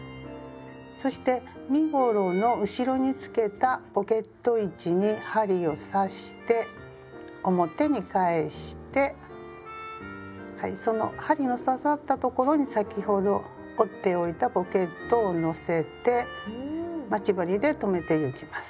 そして身ごろの後ろにつけたポケット位置に針を刺して表に返してはいその針の刺さった所に先ほど折っておいたポケットを載せて待ち針で留めてゆきます。